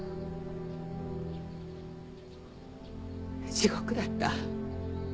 地獄だった。